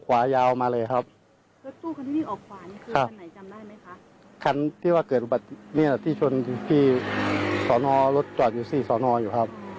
เพราะว่ารถตู้จากกรุงเทพถูกเป็นกรุงเทพครับ